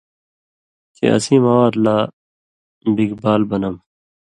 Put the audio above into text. چے اسیں مواد لا بِگ بال بنم